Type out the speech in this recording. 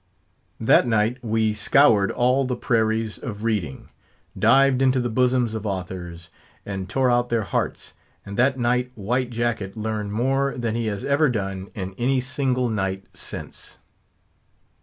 That night we scoured all the prairies of reading; dived into the bosoms of authors, and tore out their hearts; and that night White Jacket learned more than he has ever done in any single night since.